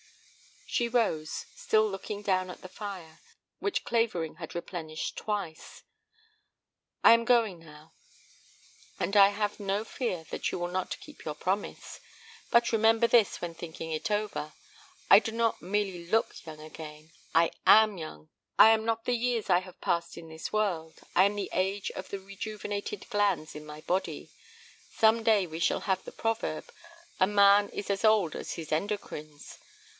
She rose, still looking down at the fire, which Clavering had replenished twice. "I am going now. And I have no fear that you will not keep your promise! But remember this when thinking it over: I do not merely look young again, I am young. I am not the years I have passed in this world, I am the age of the rejuvenated glands in my body. Some day we shall have the proverb: 'A man is as old as his endocrines.'